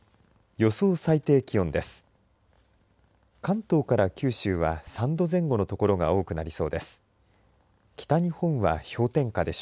予想最低気温です。